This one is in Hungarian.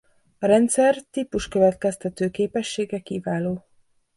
A rendszer típus-következtető képessége kiváló.